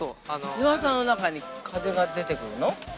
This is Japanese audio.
◆日傘の中に、風が出てくるの？